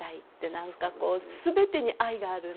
何かこう全てに愛があるんですね。